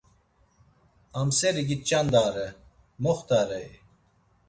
Amseri giç̌andare, moxtarei?